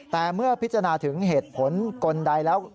แต่เมื่อพิจารณาถึงเหตุผลกลใดแล้ว